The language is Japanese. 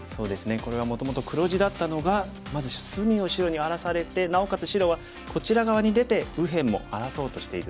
これはもともと黒地だったのがまず隅を白に荒らされてなおかつ白はこちら側に出て右辺も荒らそうとしている局面ですね。